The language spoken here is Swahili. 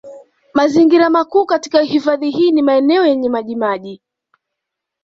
Mazingira makuu katika hifadhi hii ni maeneo yenye maji maji